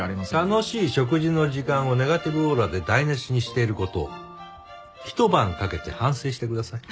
楽しい食事の時間をネガティブオーラで台無しにしている事を一晩かけて反省してください。